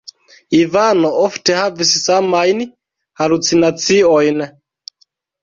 Ivano ofte havis samajn halucinaciojn.